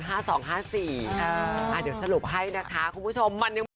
เดี๋ยวสรุปให้นะคะคุณผู้ชม